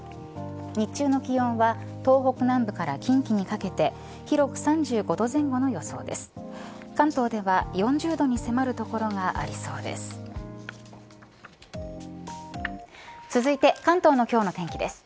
日中の気温は東北南部から近畿にかけて広く３５度前後の予想です。